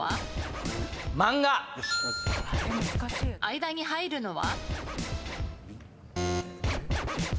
間に入るのは？